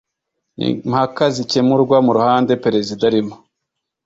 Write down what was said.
impaka zikemurwa muruhande perezida arimo